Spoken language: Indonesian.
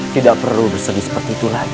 tidak perlu bersedih seperti itu lagi